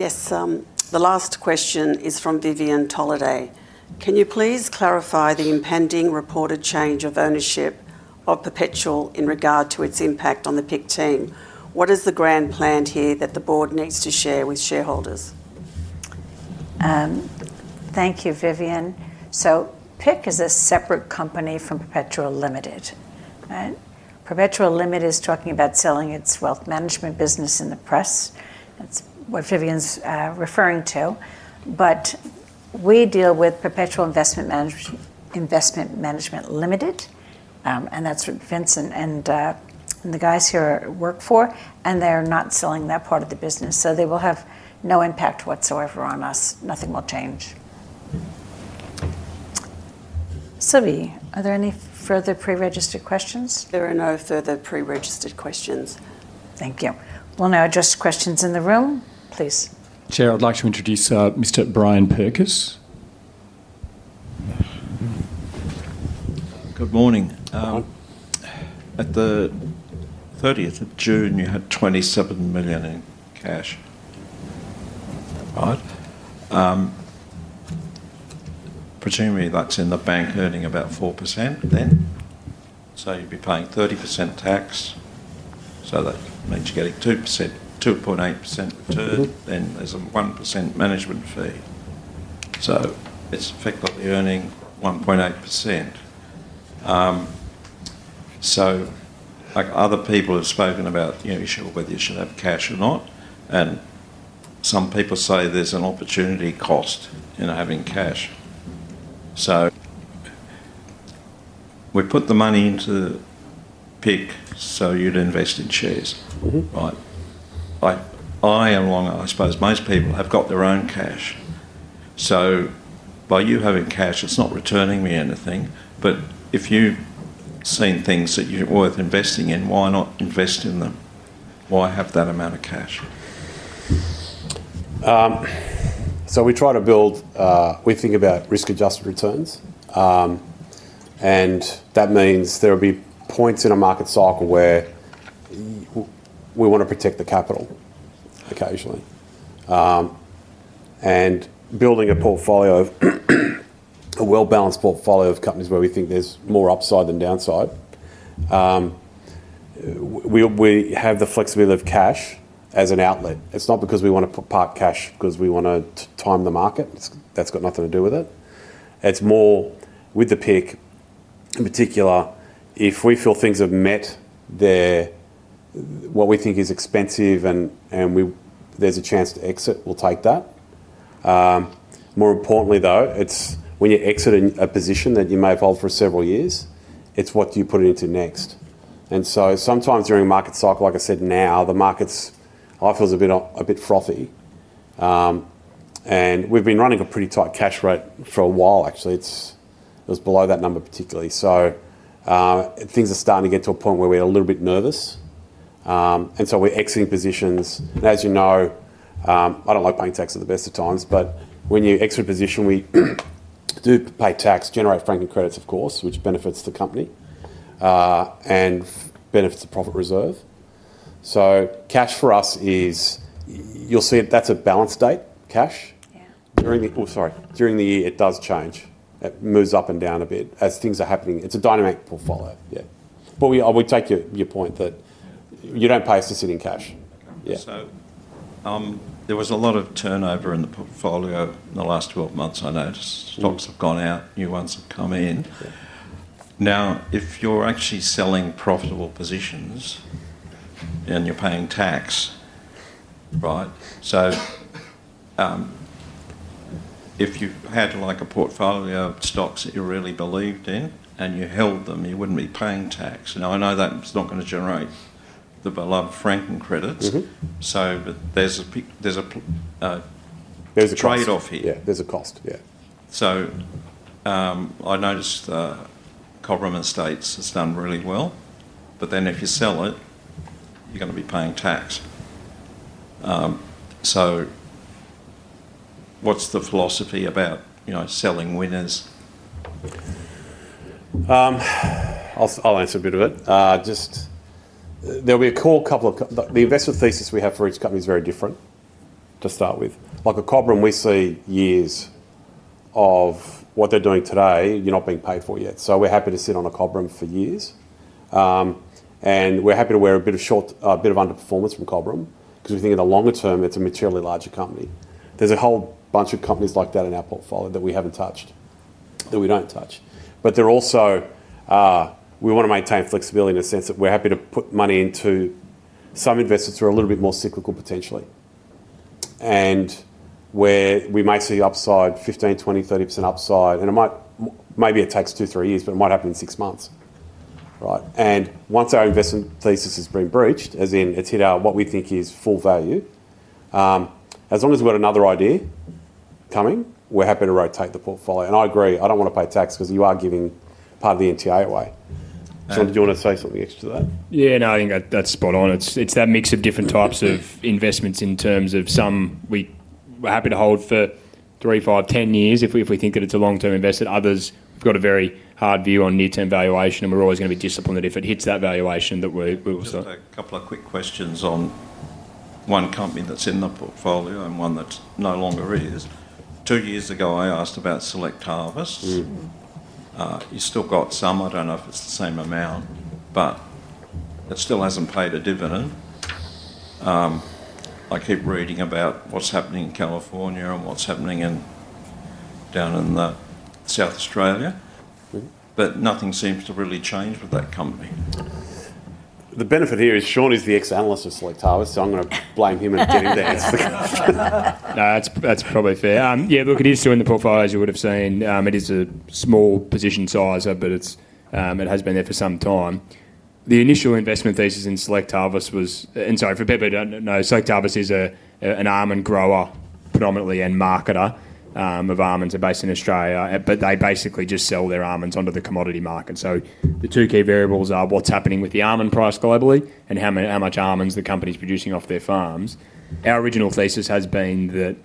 Yes, the last question is from Vivian Tolliday. Can you please clarify the impending reported change of ownership of Perpetual in regard to its impact on the PIC team? What is the grand plan here that the board needs to share with shareholders? Thank you, Vivian. PIC is a separate company from Perpetual Limited, right? Perpetual Limited is talking about selling its wealth management business in the press. That's what Vivian's referring to. We deal with Perpetual Investment Management Limited, and that's what Vince and the guys here work for, and they are not selling that part of the business. They will have no impact whatsoever on us. Nothing will change. Sylvie, are there any further pre-registered questions? There are no further pre-registered questions. Thank you. We'll now address questions in the room, please. Chair, I'd like to introduce Mr. Brian Perkins. Good morning. At the 30th of June, you had $27 million in cash. That's about right. Presumably, that's in the bank earning about 4% then. You'd be paying 30% tax, so that means you're getting 2.8% return, then there's a 1% management fee. It's effectively earning 1.8%. Other people have spoken about the issue of whether you should have cash or not, and some people say there's an opportunity cost in having cash. We put the money into the PIC so you'd invest in shares, right? I, and along I suppose most people, have got their own cash. By you having cash, it's not returning me anything, but if you've seen things that you're worth investing in, why not invest in them? Why have that amount of cash? We try to build, we think about risk-adjusted returns, and that means there will be points in a market cycle where we want to protect the capital occasionally. Building a portfolio, a well-balanced portfolio of companies where we think there's more upside than downside, we have the flexibility of cash as an outlet. It's not because we want to park cash because we want to time the market. That's got nothing to do with it. It's more, with the PIC in particular, if we feel things have met their, what we think is expensive and there's a chance to exit, we'll take that. More importantly, though, it's when you exit a position that you may have held for several years, it's what you put it into next. Sometimes during a market cycle, like I said now, the markets, I feel, are a bit frothy, and we've been running a pretty tight cash rate for a while, actually. It was below that number particularly. Things are starting to get to a point where we're a little bit nervous, and so we're exiting positions. As you know, I don't like paying tax at the best of times, but when you exit a position, we do pay tax, generate franking credits, of course, which benefits the company and benefits the profit reserve. Cash for us is, you'll see that's a balance date, cash. Yeah. Sorry. During the year, it does change. It moves up and down a bit as things are happening. It's a dynamic portfolio, yeah. We take your point that you don't pay us to sit in cash. Okay. Yeah. There was a lot of turnover in the portfolio in the last 12 months, I noticed. Stocks have gone out, new ones have come in. If you're actually selling profitable positions and you're paying tax, right? If you had like a portfolio of stocks that you really believed in and you held them, you wouldn't be paying tax. I know that's not going to generate the beloved franked credits, so there's a trade-off here. There's a cost, yeah. Yeah, there's a cost. I noticed that Cobram Estate has done really well, but if you sell it, you're going to be paying tax. What's the philosophy about selling winners? I'll answer a bit of it. There'll be a core couple of, the investment thesis we have for each company is very different to start with. Like a Cobram, we see years of what they're doing today, you're not being paid for yet. We're happy to sit on a Cobram for years, and we're happy to wear a bit of underperformance from Cobram because we think in the longer term, it's a materially larger company. There's a whole bunch of companies like that in our portfolio that we haven't touched, that we don't touch. We want to maintain flexibility in the sense that we're happy to put money into some investments that are a little bit more cyclical, potentially, and where we might see upside, 15%, 20%, 30% upside. It might, maybe it takes two, three years, but it might happen in six months, right? Once our investment thesis has been breached, as in it's hit our, what we think is, full value, as long as we've got another idea coming, we're happy to rotate the portfolio. I agree, I don't want to pay tax because you are giving part of the NTA away. Sean, did you want to say something extra to that? Yeah, no, I think that's spot on. It's that mix of different types of investments in terms of some, we're happy to hold for three, five, ten years if we think that it's a long-term investment. Others, we've got a very hard view on near-term valuation, and we're always going to be disciplined that if it hits that valuation, we'll stop. Just a couple of quick questions on one company that's in the portfolio and one that no longer is. Two years ago, I asked about Select Harvests. You've still got some, I don't know if it's the same amount, but it still hasn't paid a dividend. I keep reading about what's happening in California and what's happening down in South Australia, but nothing seems to really change with that company. The benefit here is, Sean is the ex-analyst at Select Harvests, so I'm going to blame him in getting that. No, that's probably fair. Yeah, look, it is still in the portfolio, as you would have seen. It is a small position sizer, but it has been there for some time. The initial investment thesis in Select Harvests was, and sorry, for people who don't know, Select Harvests is an almond grower predominantly and marketer of almonds. They're based in Australia, but they basically just sell their almonds onto the commodity market. The two key variables are what's happening with the almond price globally and how much almonds the company's producing off their farms. Our original thesis has been that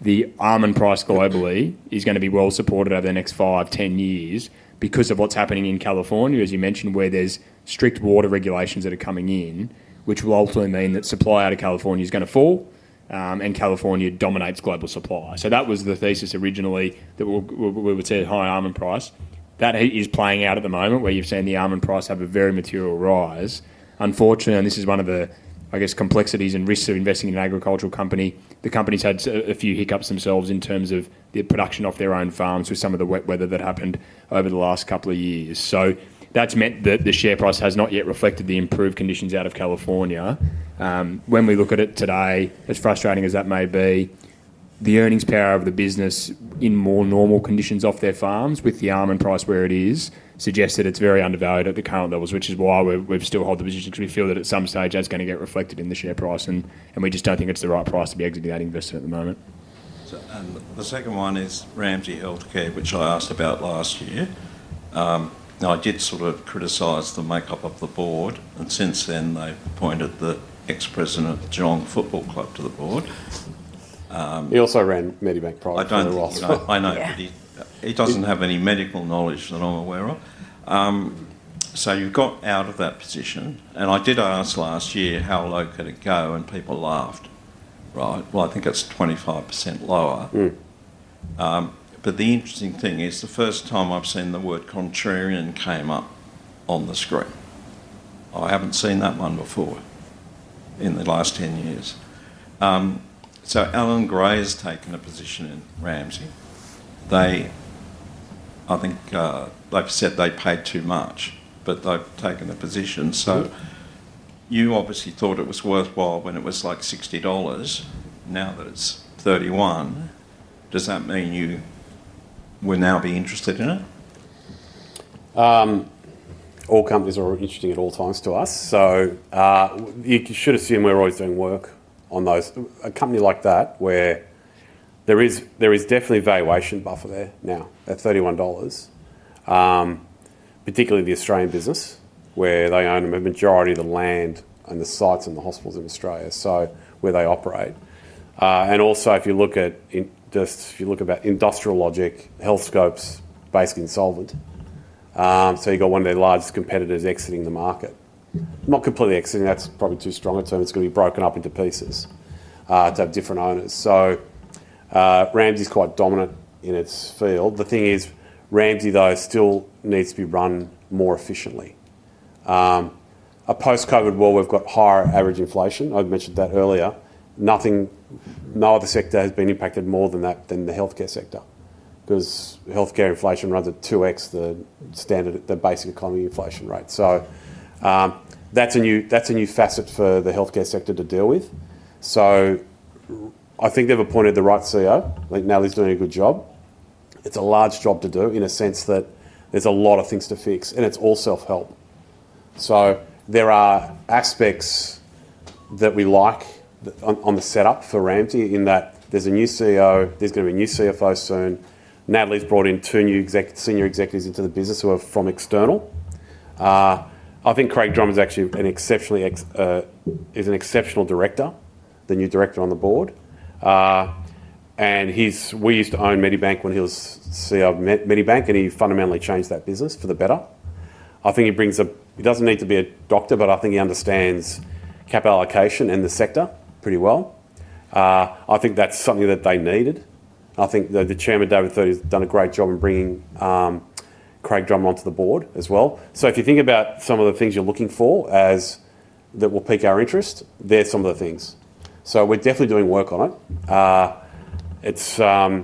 the almond price globally is going to be well supported over the next five, ten years because of what's happening in California, as you mentioned, where there's strict water regulations that are coming in, which will ultimately mean that supply out of California is going to fall and California dominates global supply. That was the thesis originally that we would say, high almond price. That is playing out at the moment where you're seeing the almond price have a very material rise. Unfortunately, and this is one of the, I guess, complexities and risks of investing in an agricultural company, the company's had a few hiccups themselves in terms of the production off their own farms with some of the wet weather that happened over the last couple of years. That's meant that the share price has not yet reflected the improved conditions out of California. When we look at it today, as frustrating as that may be, the earnings power of the business in more normal conditions off their farms with the almond price where it is suggests that it's very undervalued at the current levels, which is why we've still held the position because we feel that at some stage that's going to get reflected in the share price and we just don't think it's the right price to be exiting that investment at the moment. The second one is Ramsay Health Care, which I asked about last year. I did sort of criticize the makeup of the board, and since then, they appointed the ex-president of the Geelong Football Club to the board. He also ran Medibank Private for a while. I don't know. I know. He doesn't have any medical knowledge that I'm aware of. You got out of that position, and I did ask last year how low could it go and people laughed, right? I think it's 25% lower. The interesting thing is the first time I've seen the word contrarian came up on the screen. I haven't seen that one before in the last ten years. Allan Gray's taken a position in Ramsay. I think they've said they paid too much, but they've taken a position. You obviously thought it was worthwhile when it was like $60. Now that it's $31, does that mean you will now be interested in it? All companies are interesting at all times to us, so you should assume we're always doing work on those. A company like that where there is definitely a valuation buffer there now at $31, particularly the Australian business where they own a majority of the land and the sites and the hospitals in Australia, where they operate. Also, if you look at just, if you look at industrial logic, Healthscope's basically insolvent. You've got one of their largest competitors exiting the market. Not completely exiting, that's probably too strong a term. It's going to be broken up into pieces to have different owners. Ramsay's quite dominant in its field. The thing is, Ramsay, though, still needs to be run more efficiently. A post-COVID world, we've got higher average inflation. I've mentioned that earlier. No other sector has been impacted more than the healthcare sector because healthcare inflation runs at 2X the standard, the basic economy inflation rate. That's a new facet for the healthcare sector to deal with. I think they've appointed the right CEO. Now he's doing a good job. It's a large job to do in a sense that there's a lot of things to fix, and it's all self-help. There are aspects that we like on the setup for Ramsay in that there's a new CEO, there's going to be a new CFO soon. Now he's brought in two new senior executives into the business who are from external. I think Craig Drummond is actually an exceptional director, the new director on the board. We used to own Medibank when he was CEO of Medibank, and he fundamentally changed that business for the better. I think he brings a, he doesn't need to be a doctor, but I think he understands capital allocation and the sector pretty well. I think that's something that they needed. I think the Chairman, David Thurley, has done a great job in bringing Craig Drummond onto the board as well. If you think about some of the things you're looking for that will pique our interest, they're some of the things. We're definitely doing work on it. It's a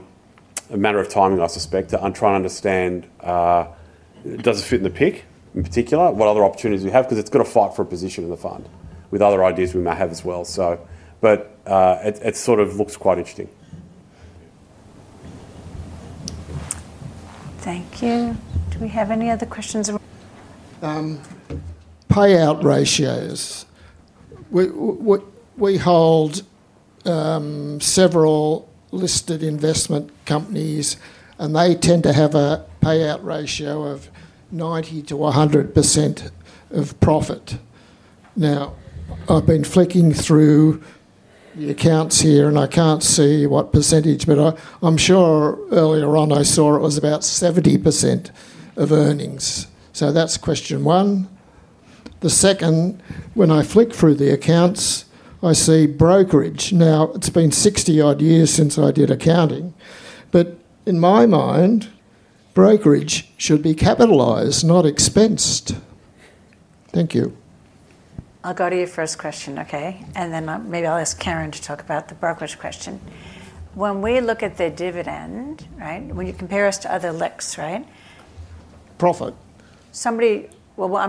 matter of timing, I suspect, and trying to understand, does it fit in the PIC in particular? What other opportunities do we have? It's got to fight for a position in the fund with other ideas we may have as well. It sort of looks quite interesting. Thank you. Do we have any other questions? Payout ratios. We hold several listed investment companies, and they tend to have a payout ratio of 90% to 100% of profit. Now, I've been flicking through the accounts here, and I can't see what percentage, but I'm sure earlier on I saw it was about 70% of earnings. That's question one. The second, when I flick through the accounts, I see brokerage. Now, it's been 60-odd years since I did accounting, but in my mind, brokerage should be capitalized, not expensed. Thank you. I'll go to your first question, okay? Maybe I'll ask Karen to talk about the brokerage question. When we look at the dividend, when you compare us to other LICs, right? Profit? I'm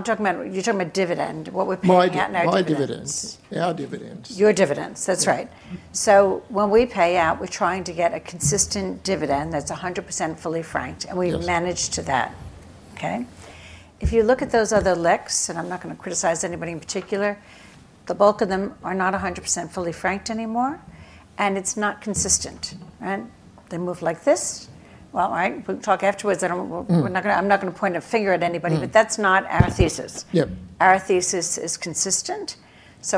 talking about, you're talking about dividend. What are we paying out now, Curt? My dividends, our dividends. Your dividends, that's right. When we pay out, we're trying to get a consistent dividend that's 100% fully franked, and we've managed to do that, okay? If you look at those other LICs, and I'm not going to criticize anybody in particular, the bulk of them are not 100% fully franked anymore, and it's not consistent, right? They move like this. All right, we can talk afterwards. I'm not going to point a finger at anybody, but that's not our thesis. Our thesis is consistent.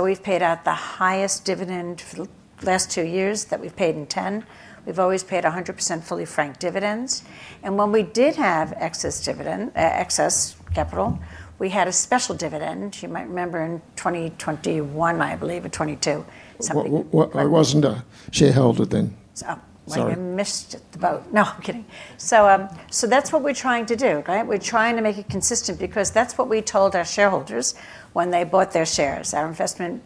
We've paid out the highest dividend for the last two years that we've paid in 10. We've always paid 100% fully franked dividends. When we did have excess capital, we had a special dividend. You might remember in 2021, I believe, or 2022, something. I wasn't a shareholder then. Oh, you missed the boat. No, I'm kidding. That's what we're trying to do, right? We're trying to make it consistent because that's what we told our shareholders when they bought their shares. Our investment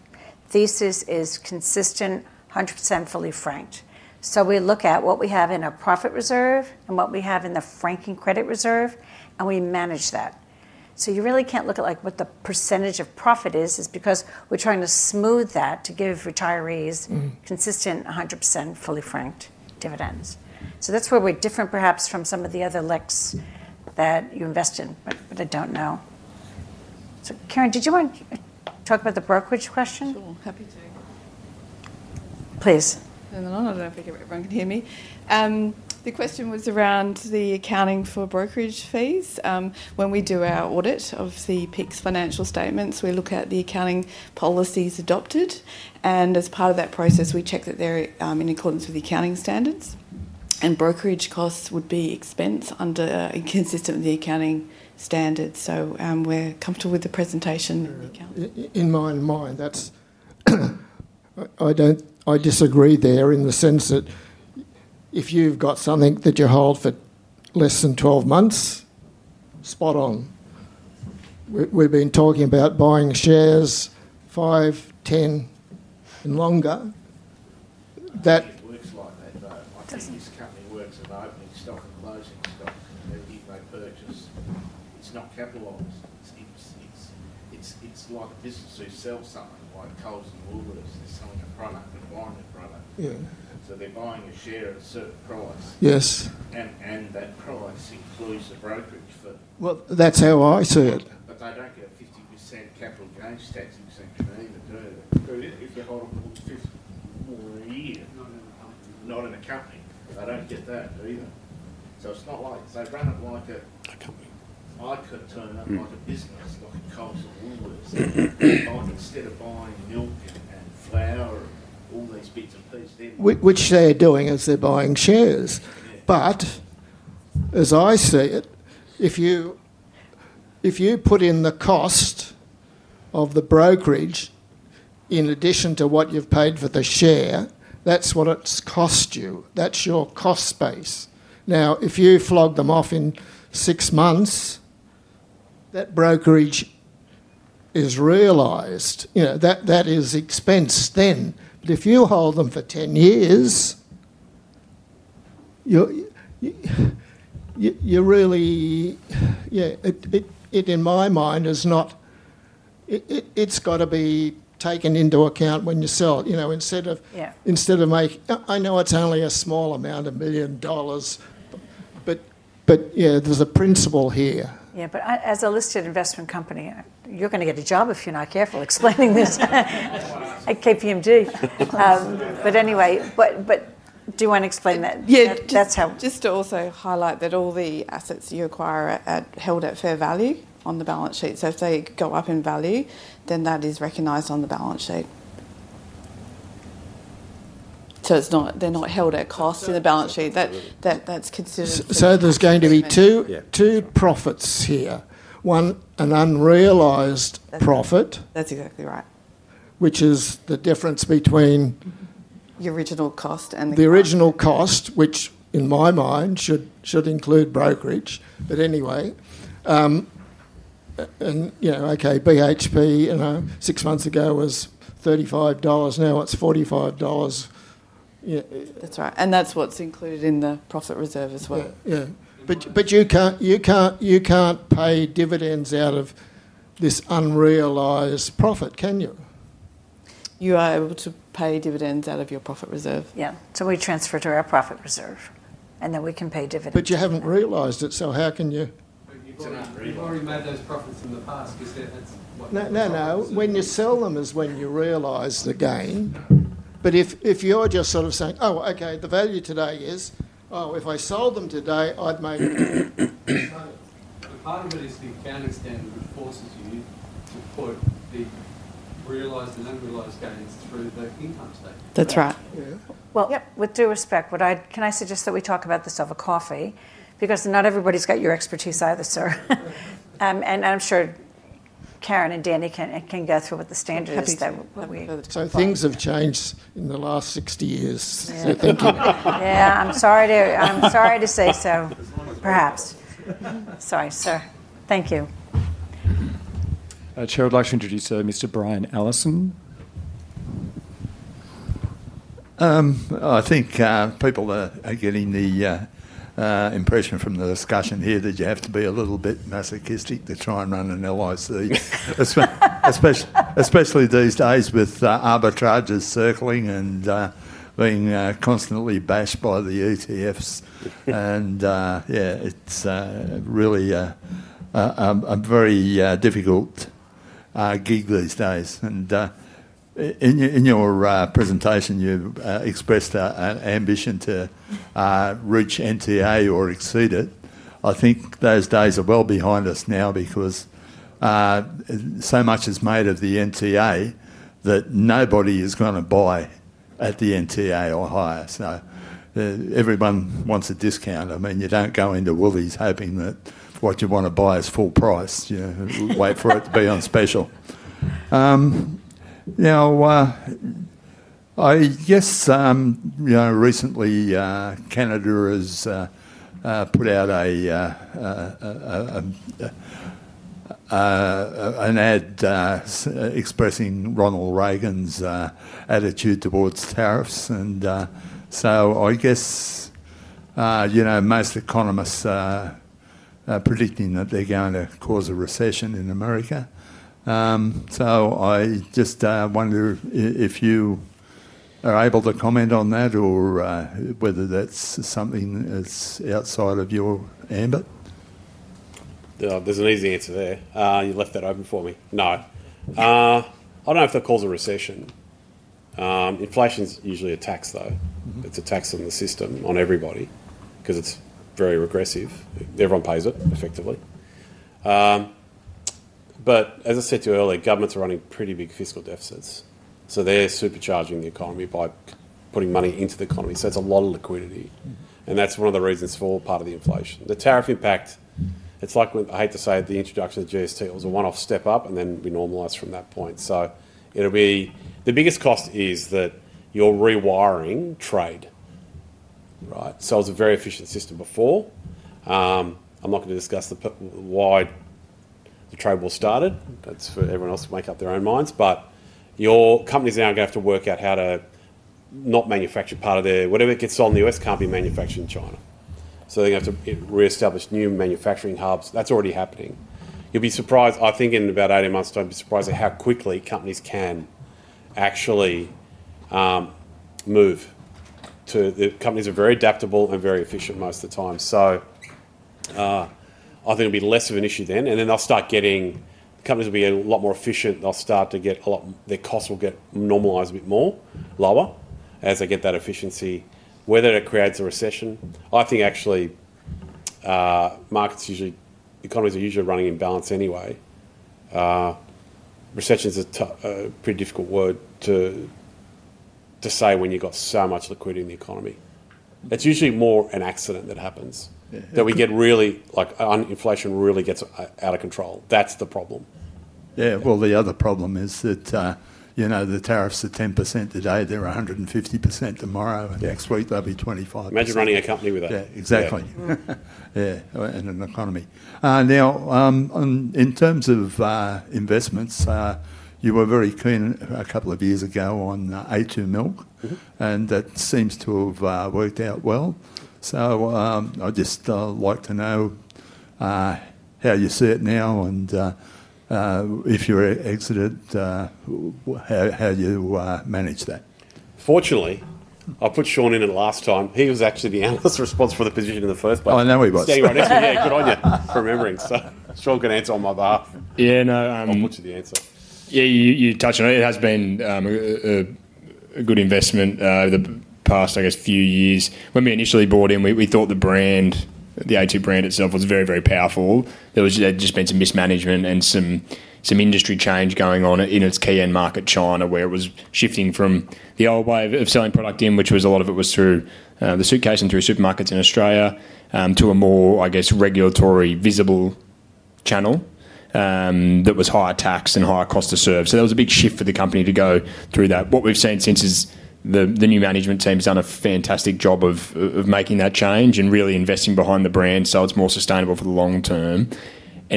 thesis is consistent, 100% fully franked. We look at what we have in our profit reserve and what we have in the franking credit reserve, and we manage that. You really can't look at what the percentage of profit is, because we're trying to smooth that to give retirees consistent 100% fully franked dividends. That's where we're different, perhaps, from some of the other LICs that you invest in, but I don't know. Karen, did you want to talk about the brokerage question? Sure, happy to. Please. Can you hear me? The question was around the accounting for brokerage fees. When we do our audit of the PIC's financial statements, we look at the accounting policies adopted, and as part of that process, we check that they're in accordance with the accounting standards. Brokerage costs would be expensed in accordance with the accounting standards. We're comfortable with the presentation and the accounting. In my mind, I disagree there in the sense that if you've got something that you hold for less than 12 months, spot on. We've been talking about buying shares five, ten, and longer. It looks like that, though. I think this company works at opening stock and closing stock. Even if they purchase, it's not capitalized. It's like a business who sells something, like Coles and Woolworths. They're selling a product, but a branded product. Yeah. They’re buying a share at a certain price. Yes. That price includes the brokerage for. That's how I see it. They don't get a 50% capital gains tax exemption either, do they? Who is? If you hold a brokerage for more than a year. Not in the company. Not in the company, but they don't get that either. It's not like they run it like a, I could turn up like a business, like a Coles or Woolworths. If I could, instead of buying milk and flour and all these bits and pieces then. Which they are doing as they're buying shares. Yeah. As I see it, if you put in the cost of the brokerage in addition to what you've paid for the share, that's what it's cost you. That's your cost base. If you flog them off in six months, that brokerage is realized. That is expense then. If you hold them for ten years, you're really, yeah, it in my mind is not, it's got to be taken into account when you sell it. Instead of making, I know it's only a small amount, a million dollars, but yeah, there's a principle here. Yeah, but as a listed investment company, you're going to get a job if you're not careful explaining this at KPMG. Anyway, do you want to explain that? Yeah. That's how. Just to also highlight that all the assets you acquire are held at fair value on the balance sheet. If they go up in value, then that is recognized on the balance sheet. They're not held at cost in the balance sheet. That's considered. There are going to be two profits here. One, an unrealized profit. That's exactly right. Which is the difference between. The original cost and the. The original cost, which in my mind should include brokerage, but anyway, you know, okay, BHP, you know, six months ago was $35. Now it's $45. That's right. That's what's included in the profit reserve as well. Yeah, yeah. You can't pay dividends out of this unrealized profit, can you? You are able to pay dividends out of your profit reserve. We transfer to our profit reserve, and then we can pay dividends. You haven't realized it, so how can you? You have already made those profits in the past because that's. No, no, no. When you sell them is when you realize the gain. If you're just sort of saying, oh, okay, the value today is, oh, if I sold them today, I'd make. Part of it is the accounting standard that forces you to put the realized and unrealized gains through the income statement. That's right. Yeah. With due respect, can I suggest that we talk about this over coffee? Not everybody's got your expertise either, sir. I'm sure Karen and Danny can go through with the standards that we. Things have changed in the last 60 years. I'm sorry to say so, perhaps. Sorry, sir. Thank you. Chair, I'd like to introduce Mr. Brian Allison. I think people are getting the impression from the discussion here that you have to be a little bit masochistic to try and run an LIC, especially these days with arbitrage circling and being constantly bashed by the ETFs. It's really a very difficult gig these days. In your presentation, you expressed an ambition to reach NTA or exceed it. I think those days are well behind us now because so much is made of the NTA that nobody is going to buy at the NTA or higher. Everyone wants a discount. I mean, you don't go into Woolworths hoping that what you want to buy is full price. You wait for it to be on special. I guess recently Canada has put out an ad expressing Ronald Reagan's attitude towards tariffs. I guess most economists are predicting that they're going to cause a recession in America. I just wonder if you are able to comment on that or whether that's something that's outside of your ambit. There's an easy answer there. You left that open for me. No. I don't know if that caused a recession. Inflation's usually a tax, though. It's a tax on the system, on everybody, because it's very regressive. Everyone pays it effectively. As I said to you earlier, governments are running pretty big fiscal deficits. They're supercharging the economy by putting money into the economy. It's a lot of liquidity, and that's one of the reasons for part of the inflation. The tariff impact, it's like when, I hate to say it, the introduction of GST was a one-off step up, and then we normalized from that point. The biggest cost is that you're rewiring trade, right? It was a very efficient system before. I'm not going to discuss why the trade war started. That's for everyone else to make up their own minds. Your companies now are going to have to work out how to not manufacture part of their, whatever gets sold in the U.S. can't be manufactured in China. They're going to have to reestablish new manufacturing hubs. That's already happening. You'll be surprised. I think in about 18 months' time, you'll be surprised at how quickly companies can actually move to. The companies are very adaptable and very efficient most of the time. I think it'll be less of an issue then. They'll start getting, the companies will be a lot more efficient. They'll start to get a lot, their costs will get normalized a bit more, lower, as they get that efficiency. Whether it creates a recession, I think actually markets usually, economies are usually running in balance anyway. Recession's a pretty difficult word to say when you've got so much liquidity in the economy. It's usually more an accident that happens, that we get really, like inflation really gets out of control. That's the problem. The other problem is that, you know, the tariffs are 10% today. They're 150% tomorrow, and next week they'll be 25%. Imagine running a company with that. Yeah, exactly. In terms of investments, you were very keen a couple of years ago on A2 Milk, and that seems to have worked out well. I'd just like to know how you see it now, and if you exit it, how you manage that. Fortunately, I put Sean in at the last time. He was actually the analyst responsible for the position in the first place. Oh, I know he was. You're on it. Good on you for remembering. Sean can answer on my behalf. Yeah, no. I'll put you the answer. Yeah, you touched on it. It has been a good investment over the past, I guess, few years. When we initially bought in, we thought the brand, the A2 brand itself, was very, very powerful. There had just been some mismanagement and some industry change going on in its key end market, China, where it was shifting from the old way of selling product in, which was a lot of it was through the suitcase and through supermarkets in Australia, to a more, I guess, regulatory visible channel that was higher tax and higher cost to serve. That was a big shift for the company to go through. What we've seen since is the new management team's done a fantastic job of making that change and really investing behind the brand so it's more sustainable for the long term.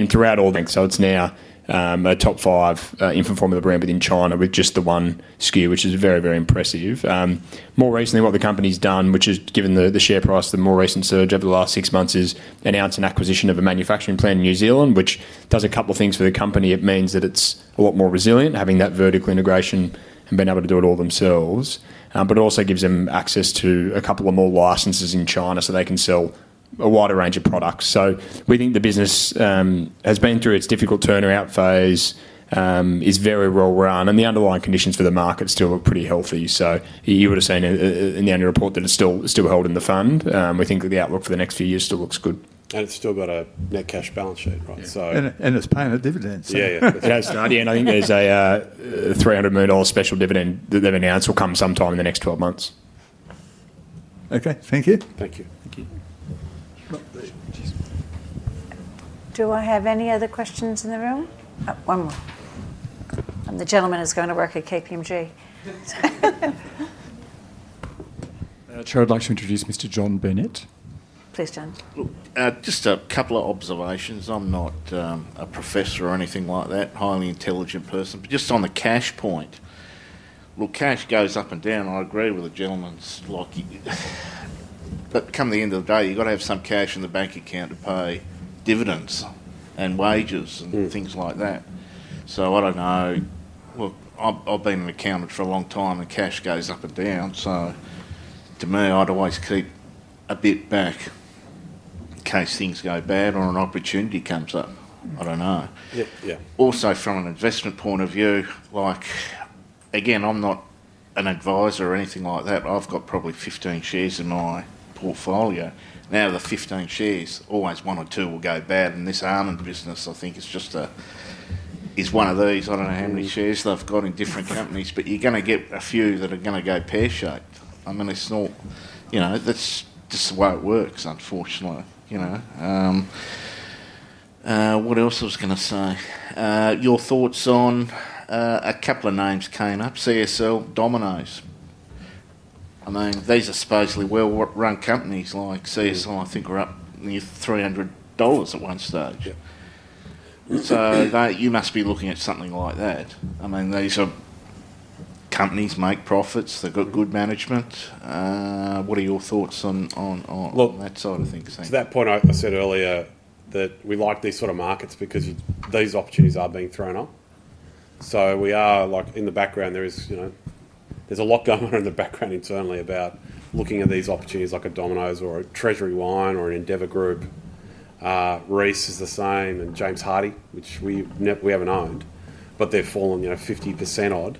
Throughout all, it's now a top five infant formula brand within China with just the one SKU, which is very, very impressive. More recently, what the company's done, which has given the share price the more recent surge over the last six months, is announced an acquisition of a manufacturing plant in New Zealand, which does a couple of things for the company. It means that it's a lot more resilient, having that vertical integration and being able to do it all themselves. It also gives them access to a couple of more licenses in China so they can sell a wider range of products. We think the business has been through its difficult turnout phase, is very well run, and the underlying conditions for the market still look pretty healthy. You would have seen in the annual report that it's still held in the fund. We think that the outlook for the next few years still looks good. It still has a net cash balance sheet, right? It is paying a dividend. Yeah, yeah. I think there's a $300 million special dividend that they've announced will come sometime in the next 12 months. Okay, thank you. Thank you. Thank you. Do I have any other questions in the room? Oh, one more. The gentleman is going to work at KPMG. Chair, I'd like to introduce Mr. John Edstein. Please, John. Just a couple of observations. I'm not a professor or anything like that, highly intelligent person, but just on the cash point, look, cash goes up and down. I agree with the gentleman's, like, but at the end of the day, you've got to have some cash in the bank account to pay dividends and wages and things like that. I don't know. I've been an accountant for a long time and cash goes up and down. To me, I'd always keep a bit back in case things go bad or an opportunity comes up. I don't know. Yeah, yeah. Also, from an investment point of view, I'm not an advisor or anything like that. I've got probably 15 shares in my portfolio. Now, the 15 shares, always one or two will go bad. This almond business, I think, is just one of these. I don't know how many shares they've got in different companies, but you're going to get a few that are going to go pear-shaped. It's not, you know, that's just the way it works, unfortunately. What else I was going to say? Your thoughts on a couple of names came up, CSL Limited, Domino’s Pizza Enterprises. These are supposedly well-run companies. CSL Limited, I think, were up near $300 at one stage. You must be looking at something like that. These are companies that make profits. They've got good management. What are your thoughts on that side of things? To that point, I said earlier that we like these sort of markets because these opportunities are being thrown up. We are, in the background, there is a lot going on in the background internally about looking at these opportunities like a Domino’s or a Treasury Wine or an Endeavour Group. Reese is the same, and James Hardie, which we haven't owned, but they've fallen 50%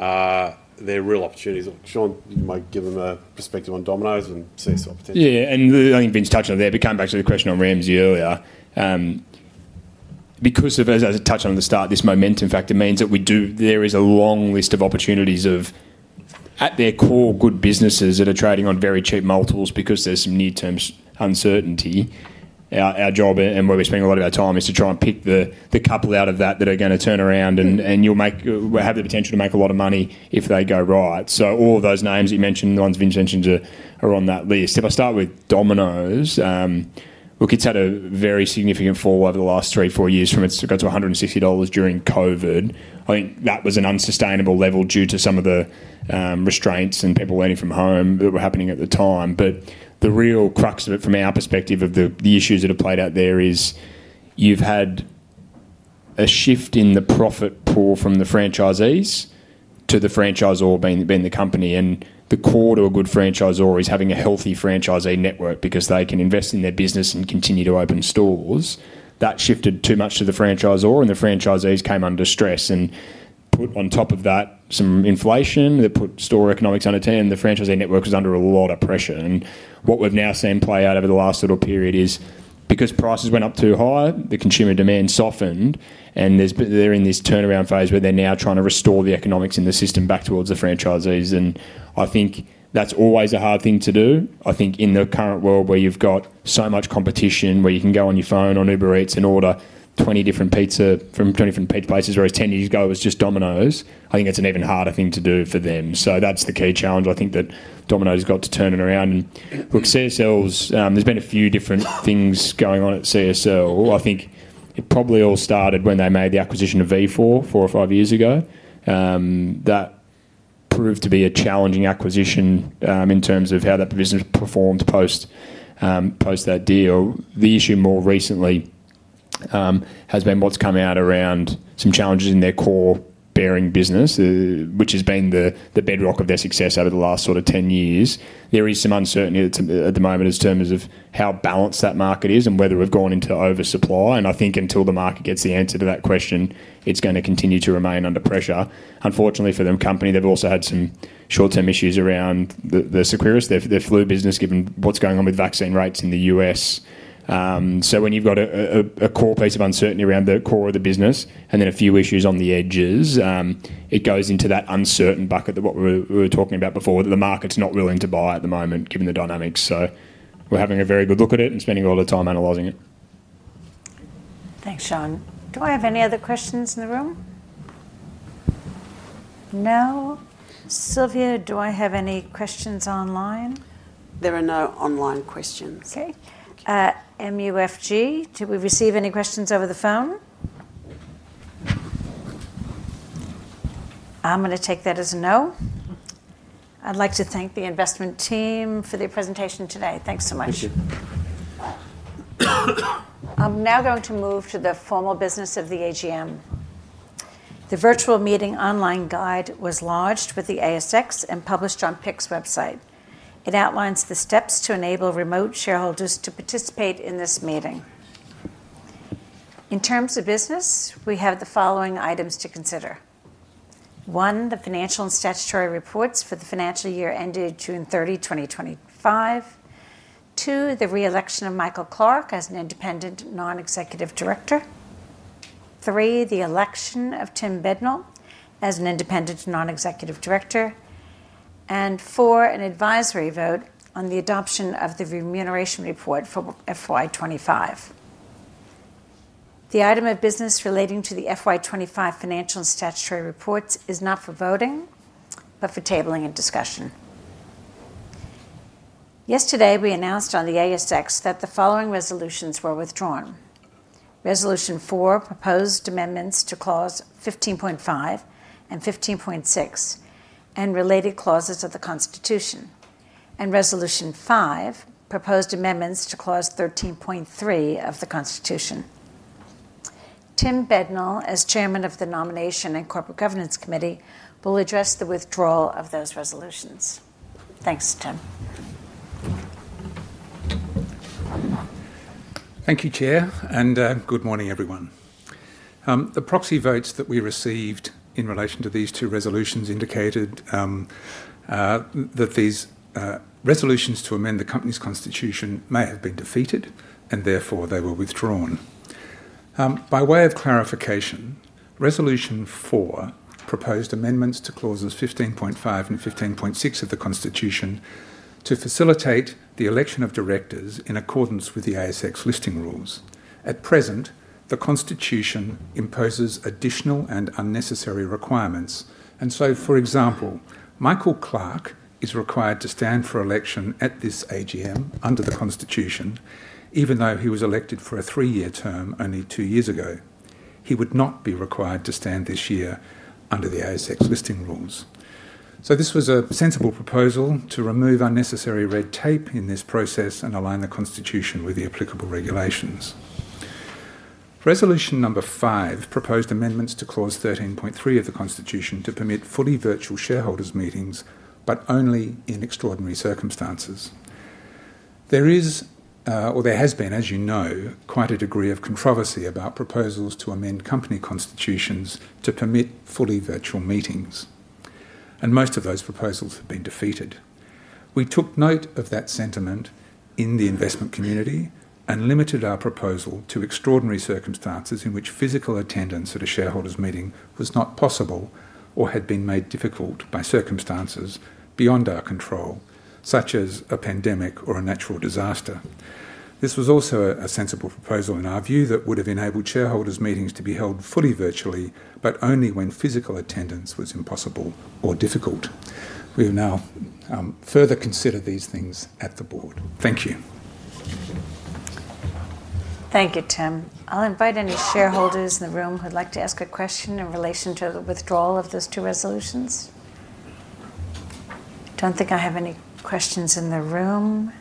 odd. They're real opportunities. Sean, you might give them a perspective on Domino’s and CSL potentially. Yeah, yeah, I think Vince touched on it there, but coming back to the question on Ramsay earlier, as I touched on at the start, this momentum factor means that we do, there is a long list of opportunities of, at their core, good businesses that are trading on very cheap multiples because there's some near-term uncertainty. Our job and where we're spending a lot of our time is to try and pick the couple out of that that are going to turn around and you'll have the potential to make a lot of money if they go right. All of those names that you mentioned, the ones Vince mentioned, are on that list. If I start with Domino’s, look, it's had a very significant fall over the last three, four years from, it's got to $160 during COVID. I think that was an unsustainable level due to some of the restraints and people learning from home that were happening at the time. The real crux of it from our perspective of the issues that have played out there is you've had a shift in the profit pool from the franchisees to the franchisor being the company. The core to a good franchisor is having a healthy franchisee network because they can invest in their business and continue to open stores. That shifted too much to the franchisor, and the franchisees came under stress. Put on top of that some inflation that put store economics under ten, the franchisee network was under a lot of pressure. What we've now seen play out over the last little period is because prices went up too high, the consumer demand softened, and they're in this turnaround phase where they're now trying to restore the economics in the system back towards the franchisees. I think that's always a hard thing to do. I think in the current world where you've got so much competition, where you can go on your phone, on Uber Eats, and order 20 different pizza from 20 different pizza places, whereas 10 years ago it was just Domino’s, I think it's an even harder thing to do for them. That's the key challenge. I think that Domino’s has got to turn it around. Look, CSL's, there's been a few different things going on at CSL. I think it probably all started when they made the acquisition of Vifor, four or five years ago. That proved to be a challenging acquisition in terms of how that business performed post that deal. The issue more recently has been what's come out around some challenges in their core bearing business, which has been the bedrock of their success over the last sort of 10 years. There is some uncertainty at the moment in terms of how balanced that market is and whether we've gone into oversupply. I think until the market gets the answer to that question, it's going to continue to remain under pressure. Unfortunately for their company, they've also had some short-term issues around the Seqirus, their flu business, given what's going on with vaccine rates in the U.S. When you've got a core piece of uncertainty around the core of the business and then a few issues on the edges, it goes into that uncertain bucket that we were talking about before, that the market's not willing to buy at the moment, given the dynamics. We're having a very good look at it and spending a lot of time analyzing it. Thanks, Sean. Do I have any other questions in the room? No? Sylvie, do I have any questions online? There are no online questions. Okay. MUFG, do we receive any questions over the phone? I'm going to take that as a no. I'd like to thank the investment team for their presentation today. Thanks so much. Thank you. I'm now going to move to the formal business of the AGM. The virtual meeting online guide was launched with the ASX and published on PIC's website. It outlines the steps to enable remote shareholders to participate in this meeting. In terms of business, we have the following items to consider. One, the financial and statutory reports for the financial year ended June 30, 2025. Two, the reelection of Michael Clark as an Independent Non-Executive Director. Three, the election of Tim Bednall as an Independent Non-Executive Director. Four, an advisory vote on the adoption of the remuneration report for FY 25. The item of business relating to the FY 25 financial and statutory reports is not for voting, but for tabling and discussion. Yesterday, we announced on the ASX that the following resolutions were withdrawn. Resolution four proposed amendments to clause 15.5 and 15.6 and related clauses of the Constitution. Resolution five proposed amendments to clause 13.3 of the Constitution. Tim Bednall, as Chairman of the Nomination and Corporate Governance Committee, will address the withdrawal of those resolutions. Thanks, Tim. Thank you, Chair, and good morning, everyone. The proxy votes that we received in relation to these two resolutions indicated that these resolutions to amend the company's Constitution may have been defeated, and therefore they were withdrawn. By way of clarification, Resolution four proposed amendments to clauses 15.5 and 15.6 of the Constitution to facilitate the election of directors in accordance with the ASX listing rules. At present, the Constitution imposes additional and unnecessary requirements. For example, Michael Clark is required to stand for election at this AGM under the Constitution, even though he was elected for a three-year term only two years ago. He would not be required to stand this year under the ASX listing rules. This was a sensible proposal to remove unnecessary red tape in this process and align the Constitution with the applicable regulations. Resolution number five proposed amendments to clause 13.3 of the Constitution to permit fully virtual shareholders' meetings, but only in extraordinary circumstances. There is, or there has been, as you know, quite a degree of controversy about proposals to amend company constitutions to permit fully virtual meetings. Most of those proposals have been defeated. We took note of that sentiment in the investment community and limited our proposal to extraordinary circumstances in which physical attendance at a shareholder's meeting was not possible or had been made difficult by circumstances beyond our control, such as a pandemic or a natural disaster. This was also a sensible proposal in our view that would have enabled shareholders' meetings to be held fully virtually, but only when physical attendance was impossible or difficult. We have now further considered these things at the board. Thank you. Thank you, Tim. I'll invite any shareholders in the room who'd like to ask a question in relation to the withdrawal of those two resolutions. I don't think I have any questions in the room.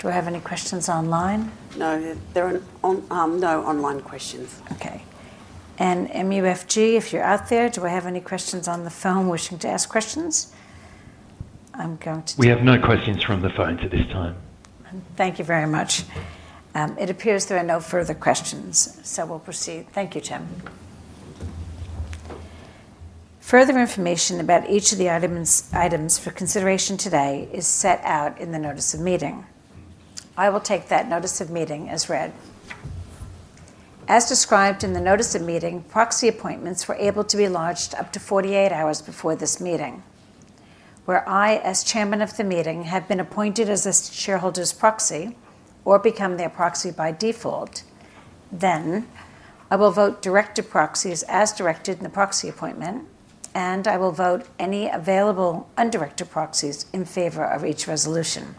Do I have any questions online? No, there are no online questions. Okay. MUFG, if you're out there, do I have any questions on the phone wishing to ask questions? I'm going to. We have no questions from the phone at this time. Thank you very much. It appears there are no further questions, so we'll proceed. Thank you, Tim. Further information about each of the items for consideration today is set out in the notice of meeting. I will take that notice of meeting as read. As described in the notice of meeting, proxy appointments were able to be lodged up to 48 hours before this meeting. Where I, as Chairman of the meeting, have been appointed as a shareholder's proxy or become their proxy by default, then I will vote director proxies as directed in the proxy appointment, and I will vote any available undirected proxies in favor of each resolution.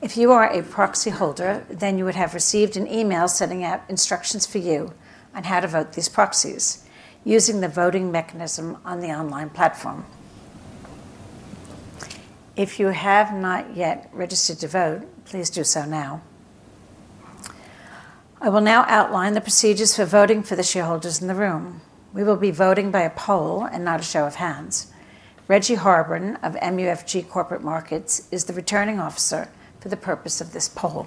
If you are a proxy holder, then you would have received an email sending out instructions for you on how to vote these proxies using the voting mechanism on the online platform. If you have not yet registered to vote, please do so now. I will now outline the procedures for voting for the shareholders in the room. We will be voting by a poll and not a show of hands. Reggie Harborne of MUFG Corporate Markets is the Returning Officer for the purpose of this poll.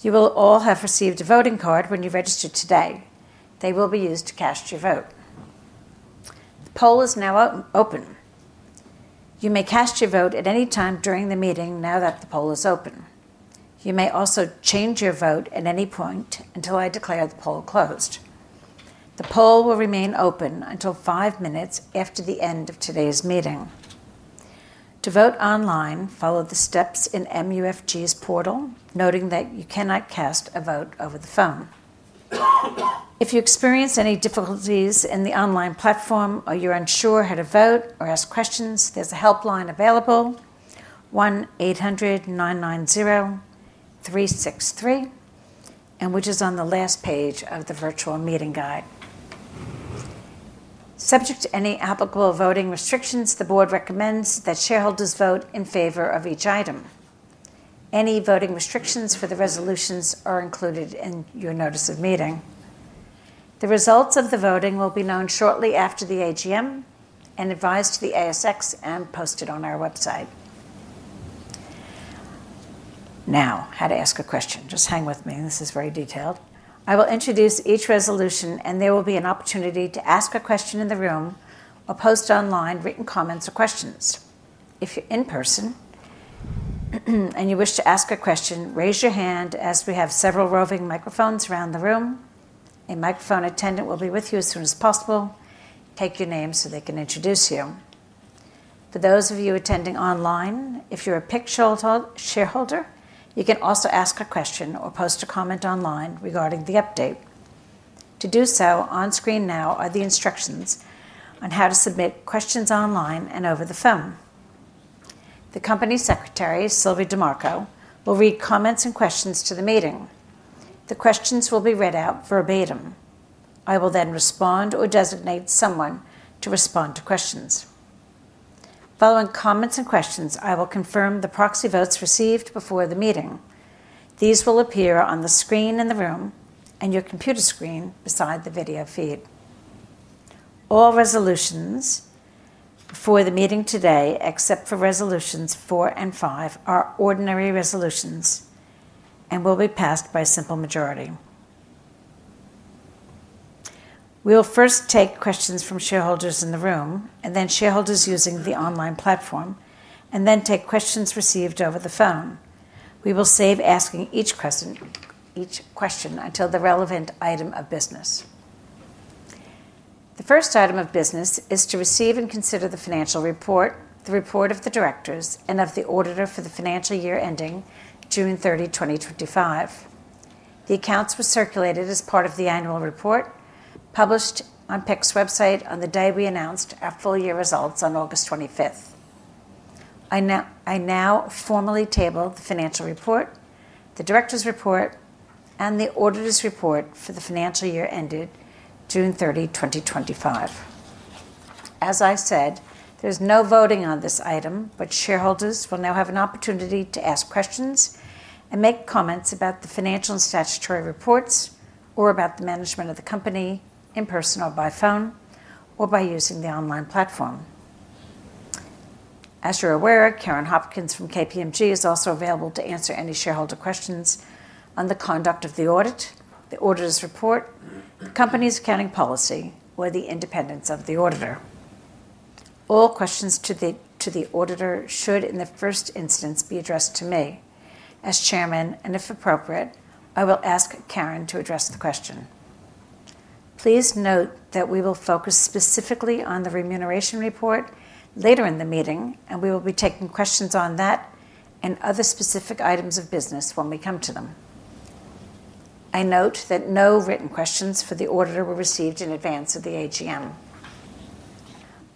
You will all have received a voting card when you registered today. They will be used to cast your vote. The poll is now open. You may cast your vote at any time during the meeting now that the poll is open. You may also change your vote at any point until I declare the poll closed. The poll will remain open until five minutes after the end of today's meeting. To vote online, follow the steps in MUFG's portal, noting that you cannot cast a vote over the phone. If you experience any difficulties in the online platform or you're unsure how to vote or ask questions, there's a helpline available, 1-800-990-363, which is on the last page of the virtual meeting guide. Subject to any applicable voting restrictions, the Board recommends that shareholders vote in favor of each item. Any voting restrictions for the resolutions are included in your notice of meeting. The results of the voting will be known shortly after the AGM and advised to the ASX and posted on our website. Now, how to ask a question. Just hang with me. This is very detailed. I will introduce each resolution, and there will be an opportunity to ask a question in the room or post online written comments or questions. If you're in person and you wish to ask a question, raise your hand as we have several roving microphones around the room. A microphone attendant will be with you as soon as possible. Take your name so they can introduce you. For those of you attending online, if you're a PIC shareholder, you can also ask a question or post a comment online regarding the update. To do so, on screen now are the instructions on how to submit questions online and over the phone. The Company Secretary, Sylvie Dimarco, will read comments and questions to the meeting. The questions will be read out verbatim. I will then respond or designate someone to respond to questions. Following comments and questions, I will confirm the proxy votes received before the meeting. These will appear on the screen in the room and your computer screen beside the video feed. All resolutions before the meeting today, except for resolutions four and five, are ordinary resolutions and will be passed by a simple majority. We'll first take questions from shareholders in the room and then shareholders using the online platform and then take questions received over the phone. We will save asking each question until the relevant item of business. The first item of business is to receive and consider the financial report, the report of the directors, and of the auditor for the financial year ending June 30, 2025. The accounts were circulated as part of the annual report published on PIC's website on the day we announced our full year results on August 25th. I now formally table the financial report, the Directors' Report, and the auditor's report for the financial year ended June 30, 2025. As I said, there's no voting on this item, but shareholders will now have an opportunity to ask questions and make comments about the financial and statutory reports or about the management of the company in person or by phone or by using the online platform. As you're aware, Karen Hopkins from KPMG is also available to answer any shareholder questions on the conduct of the audit, the auditor's report, the company's accounting policy, or the independence of the auditor. All questions to the auditor should in the first instance be addressed to me as Chairman, and if appropriate, I will ask Karen to address the question. Please note that we will focus specifically on the remuneration report later in the meeting, and we will be taking questions on that and other specific items of business when we come to them. I note that no written questions for the auditor were received in advance of the AGM.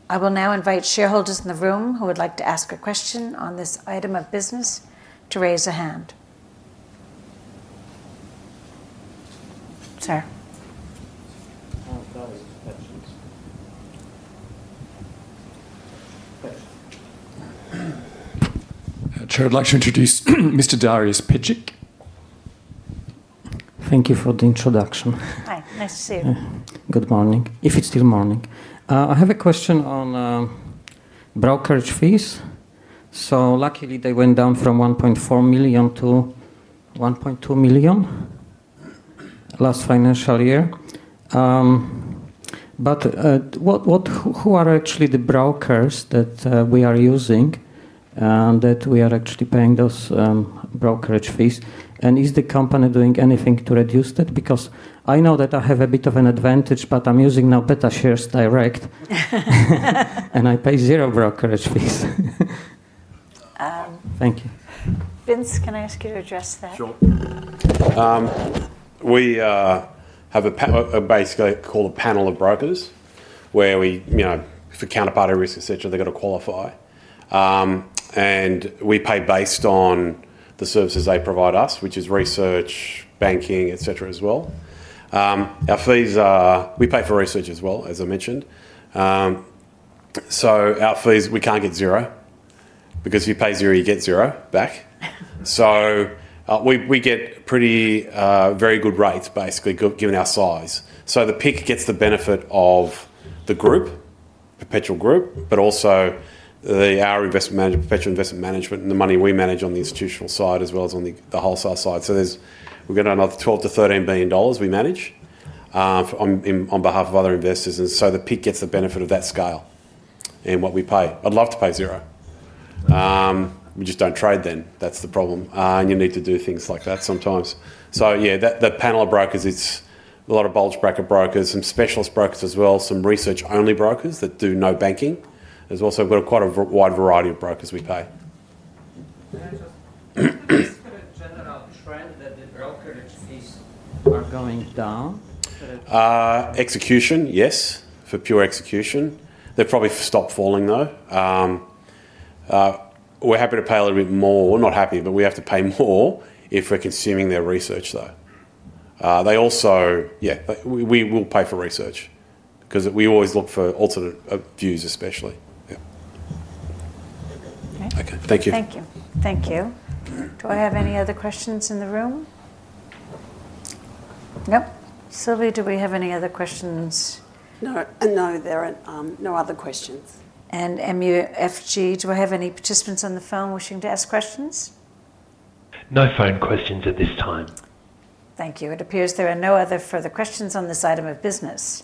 I will now invite shareholders in the room who would like to ask a question on this item of business to raise a hand. Sir? Chair, I'd like to introduce Mr. Darius Pidgic. Thank you for the introduction. Hi, nice to see you. Good morning, if it's still morning. I have a question on brokerage fees. Luckily, they went down from $1.4 million - $1.2 million last financial year. Who are actually the brokers that we are using and that we are actually paying those brokerage fees? Is the company doing anything to reduce that? I know that I have a bit of an advantage, but I'm using now BetaShares Direct, and I pay zero brokerage fees. Thank you. Vince, can I ask you to address that? Sure. We have basically what is called a panel of brokers where, for counterparty risk, etc., they've got to qualify. We pay based on the services they provide us, which is research, banking, etc., as well. Our fees are, we pay for research as well, as I mentioned. Our fees, we can't get zero because if you pay zero, you get zero back. We get very good rates, basically, given our size. The PIC gets the benefit of the group, Perpetual Group, but also our investment management, Perpetual Investment Management, and the money we manage on the institutional side as well as on the wholesale side. We've got another $12 billion - $13 billion we manage on behalf of other investors, and the PIC gets the benefit of that scale and what we pay. I'd love to pay zero. We just don't trade then. That's the problem. You need to do things like that sometimes. The panel of brokers, it's a lot of bulge bracket brokers, some specialist brokers as well, some research-only brokers that do no banking as well. We've got quite a wide variety of brokers we pay. Can I just ask a general trend, that the brokerage fees are going down? Execution, yes, for pure execution. They've probably stopped falling, though. We're happy to pay a little bit more, not happy, but we have to pay more if we're consuming their research. We will pay for research because we always look for alternate views, especially. Okay. Okay, thank you. Thank you. Thank you. Do I have any other questions in the room? No. Sylvie, do we have any other questions? No, no, there are no other questions. Do I have any participants on the phone wishing to ask questions? No phone questions at this time. Thank you. It appears there are no further questions on this item of business.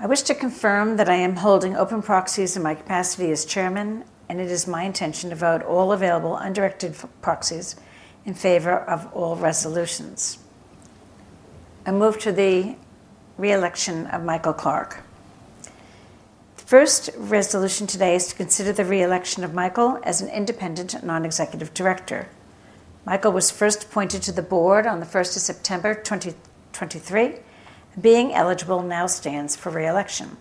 I wish to confirm that I am holding open proxies in my capacity as Chairman, and it is my intention to vote all available undirected proxies in favor of all resolutions. I move to the reelection of Michael Clark. The first resolution today is to consider the reelection of Michael as an Independent Non-Executive Director. Michael was first appointed to the board on the 1st of September 2023, and being eligible now stands for reelection.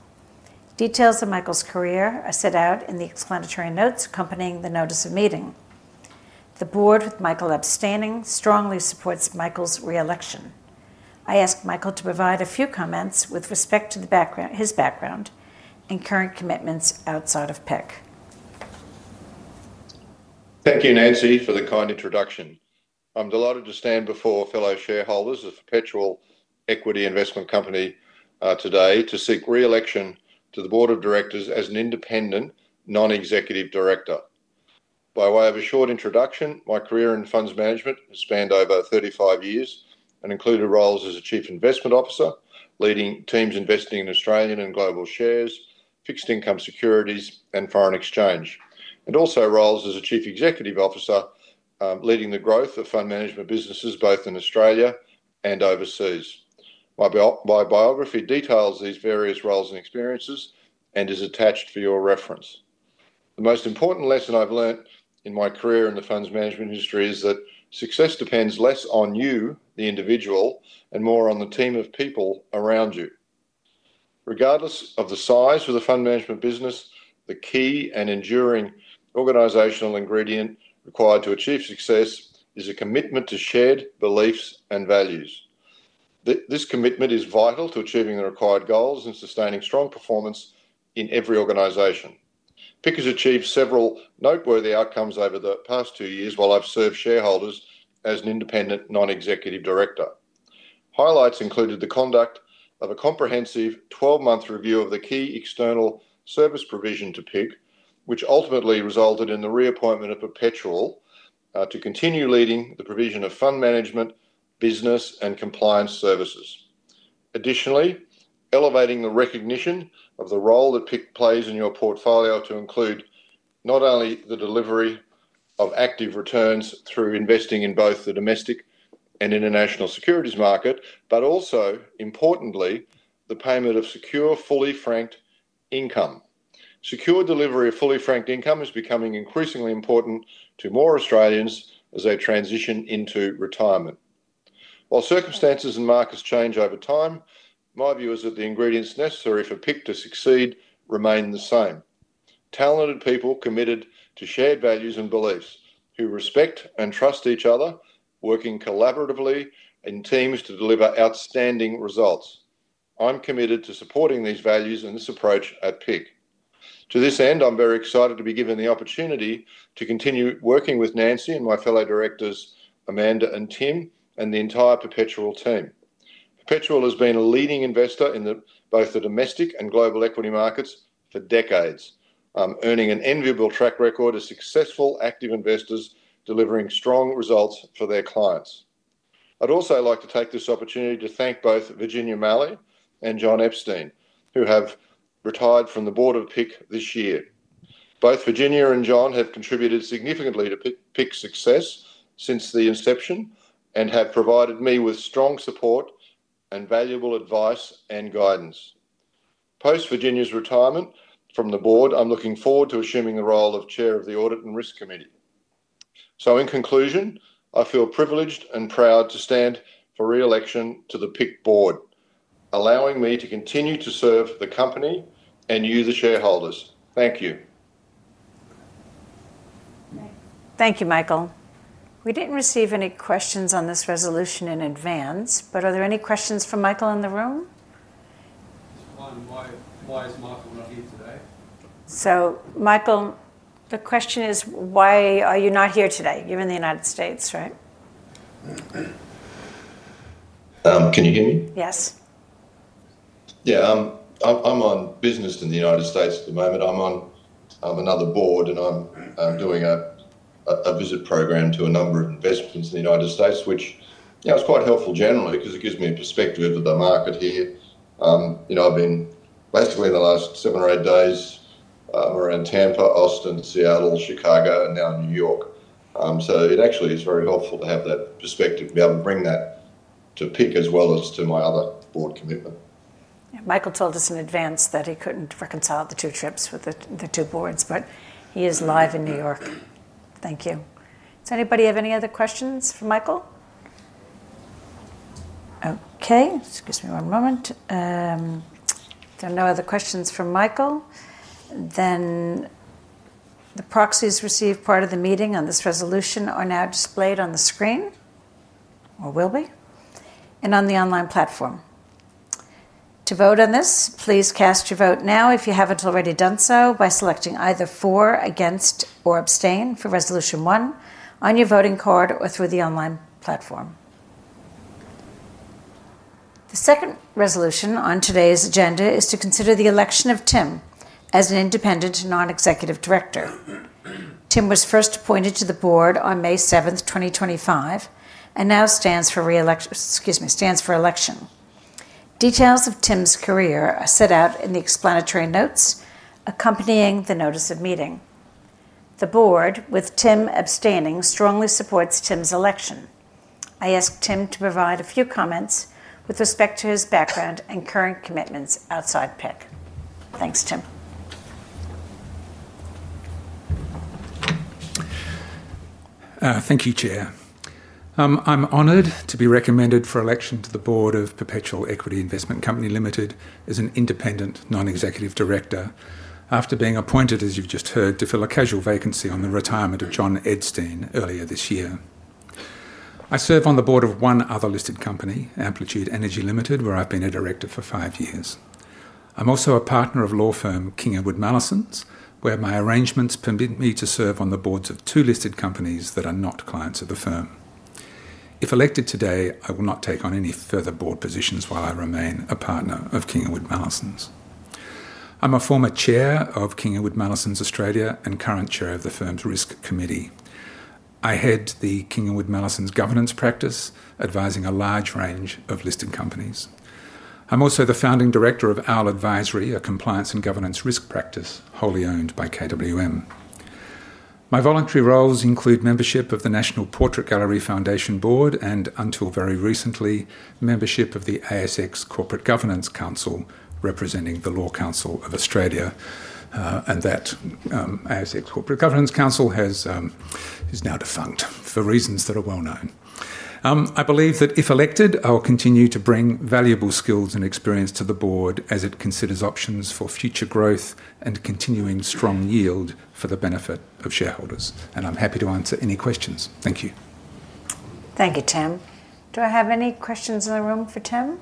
Details of Michael's career are set out in the explanatory notes accompanying the notice of meeting. The board, with Michael abstaining, strongly supports Michael's reelection. I ask Michael to provide a few comments with respect to his background and current commitments outside of PIC. Thank you, Nancy, for the kind introduction. I'm delighted to stand before fellow shareholders of Perpetual Equity Investment Company today to seek reelection to the Board of Directors as an Independent Non-Executive Director. By way of a short introduction, my career in funds management has spanned over 35 years and included roles as a Chief Investment Officer leading teams investing in Australian and global shares, fixed income securities, and foreign exchange, and also roles as a Chief Executive Officer leading the growth of fund management businesses both in Australia and overseas. My biography details these various roles and experiences and is attached for your reference. The most important lesson I've learned in my career in the funds management industry is that success depends less on you, the individual, and more on the team of people around you. Regardless of the size of the fund management business, the key and enduring organizational ingredient required to achieve success is a commitment to shared beliefs and values. This commitment is vital to achieving the required goals and sustaining strong performance in every organization. PIC has achieved several noteworthy outcomes over the past two years while I've served shareholders as an Independent Non-Executive Director. Highlights included the conduct of a comprehensive 12-month review of the key external service provision to PIC, which ultimately resulted in the reappointment of Perpetual to continue leading the provision of fund management, business, and compliance services. Additionally, elevating the recognition of the role that PIC plays in your portfolio to include not only the delivery of active returns through investing in both the domestic and international securities market, but also, importantly, the payment of secure, fully franked income. Secure delivery of fully franked income is becoming increasingly important to more Australians as they transition into retirement. While circumstances and markets change over time, my view is that the ingredients necessary for PIC to succeed remain the same: talented people committed to shared values and beliefs who respect and trust each other, working collaboratively in teams to deliver outstanding results. I'm committed to supporting these values and this approach at PIC. To this end, I'm very excited to be given the opportunity to continue working with Nancy and my fellow directors, Amanda and Tim, and the entire Perpetual team. Perpetual has been a leading investor in both the domestic and global equity markets for decades, earning an enviable track record of successful active investors delivering strong results for their clients. I'd also like to take this opportunity to thank both Virginia Malley and John Edstein, who have retired from the board of PIC this year. Both Virginia and John have contributed significantly to PIC's success since the inception and have provided me with strong support and valuable advice and guidance. Following Virginia's retirement from the board, I'm looking forward to assuming the role of Chair of the Audit and Risk Committee. In conclusion, I feel privileged and proud to stand for reelection to the PIC board, allowing me to continue to serve the company and you, the shareholders. Thank you. Thank you, Michael. We didn't receive any questions on this resolution in advance, but are there any questions from Michael in the room? Why is Michael not here today? Michael, the question is, why are you not here today? You're in the U.S., right? Can you hear me? Yes. Yeah, I'm on business in the United States at the moment. I'm on another board, and I'm doing a visit program to a number of investments in the United States, which is quite helpful generally because it gives me a perspective of the market here. I've been basically in the last seven or eight days around Tampa, Austin, Seattle, Chicago, and now in New York. It actually is very helpful to have that perspective, to be able to bring that to PIC as well as to my other board commitment. Yeah, Michael told us in advance that he couldn't reconcile the two trips with the two boards, but he is live in New York. Thank you. Does anybody have any other questions for Michael? Okay, excuse me one moment. If there are no other questions from Michael, the proxies received part of the meeting on this resolution are now displayed on the screen, or will be, and on the online platform. To vote on this, please cast your vote now if you haven't already done so by selecting either for, against, or abstain for Resolution 1 on your voting card or through the online platform. The second resolution on today's agenda is to consider the election of Tim as an Independent Non-Executive Director. Tim was first appointed to the board on May 7, 2025, and now stands for election. Details of Tim's career are set out in the explanatory notes accompanying the notice of meeting. The board, with Tim abstaining, strongly supports Tim's election. I ask Tim to provide a few comments with respect to his background and current commitments outside PIC. Thanks, Tim. Thank you, Chair. I'm honored to be recommended for election to the board of Perpetual Equity Investment Company Limited as an Independent Non-Executive Director after being appointed, as you've just heard, to fill a casual vacancy on the retirement of John Edstein earlier this year. I serve on the board of one other listed company, Amplitude Energy Limited, where I've been a director for five years. I'm also a partner of law firm King & Wood Mallesons where my arrangements permit me to serve on the boards of two listed companies that are not clients of the firm. If elected today, I will not take on any further board positions while I remain a partner of King & Wood Mallesons. I'm a former Chair of King & Wood Mallesons Australia and current Chair of the firm's risk committee. I head the King & Wood Mallesons governance practice, advising a large range of listed companies. I'm also the founding director of Owl Advisory, a compliance and governance risk practice wholly owned by KWM. My voluntary roles include membership of the National Portrait Gallery Foundation Board and, until very recently, membership of the ASX Corporate Governance Council, representing the Law Council of Australia, and that ASX Corporate Governance Council is now defunct for reasons that are well known. I believe that if elected, I will continue to bring valuable skills and experience to the board as it considers options for future growth and continuing strong yield for the benefit of shareholders, and I'm happy to answer any questions. Thank you. Thank you, Tim. Do I have any questions in the room for Tim?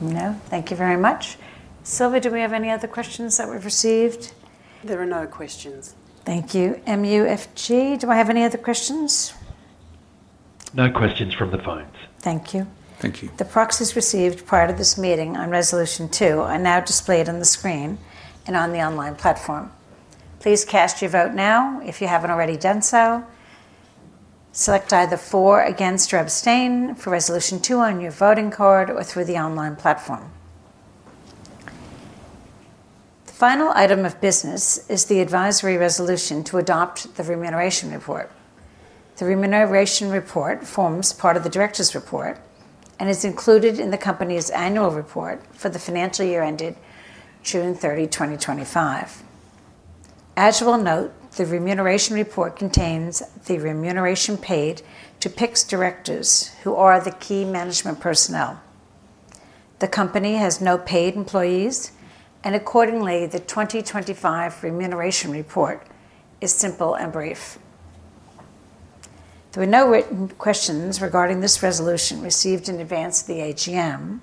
No, thank you very much. Sylvie, do we have any other questions that we've received? There are no questions. Thank you. MUFG, do I have any other questions? No questions from the phones. Thank you. Thank you. The proxies received prior to this meeting on Resolution 2 are now displayed on the screen and on the online platform. Please cast your vote now if you haven't already done so. Select either for, against, or abstain for Resolution 2 on your voting card or through the online platform. The final item of business is the advisory resolution to adopt the remuneration report. The remuneration report forms part of the Directors' Report and is included in the company's annual report for the financial year ended June 30, 2025. As you will note, the remuneration report contains the remuneration paid to PIC's directors who are the key management personnel. The company has no paid employees, and accordingly, the 2025 remuneration report is simple and brief. There are no written questions regarding this resolution received in advance of the AGM.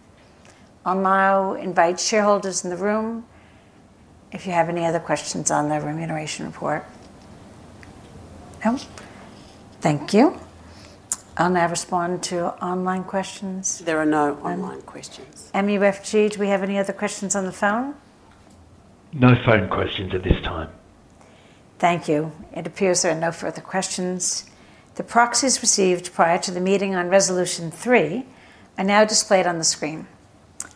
I'll now invite shareholders in the room if you have any other questions on the remuneration report. Thank you. I'll now respond to online questions. There are no online questions. MUFG, do we have any other questions on the phone? No phone questions at this time. Thank you. It appears there are no further questions. The proxies received prior to the meeting on Resolution 3 are now displayed on the screen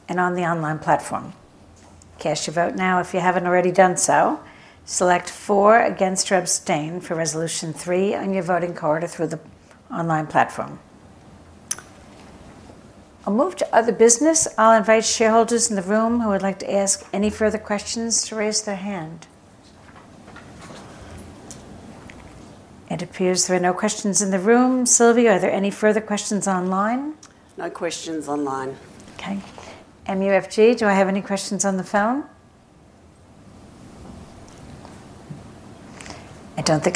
and on the online platform. Cast your vote now if you haven't already done so. Select for, against, or abstain for Resolution 3 on your voting card or through the online platform. I'll move to other business. I'll invite shareholders in the room who would like to ask any further questions to raise their hand. It appears there are no questions in the room. Sylvie, are there any further questions online? No questions online. Okay. MUFG, do I have any questions on the phone? I don't think so.